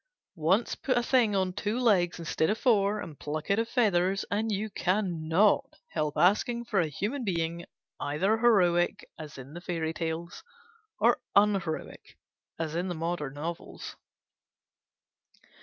Once put a thing on two legs instead of four and pluck it of feathers and you cannot help asking for a human being, either heroic, as in the fairy tales, or un heroic, as in the modern novels.